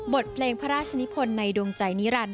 บทเพลงพระราชนิพลในดวงใจนิรันดิ